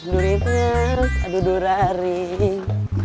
durirang adu duraring